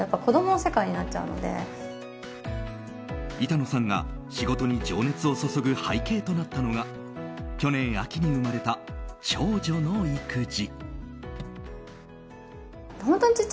板野さんが仕事に情熱を注ぐ背景となったのが去年秋に生まれた長女の育児。